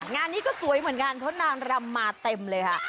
งานนี้ก็สวยเหมือนกันเพราะนางรำมาเต็มเลยค่ะ